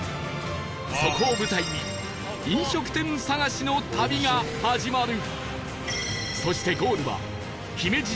そこを舞台に飲食店探しの旅が始まる